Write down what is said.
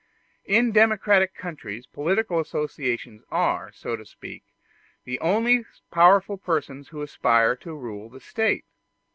In democratic countries political associations are, so to speak, the only powerful persons who aspire to rule the State.